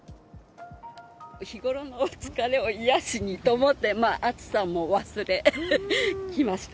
日頃の疲れを癒やしにと思って、暑さも忘れ来ました。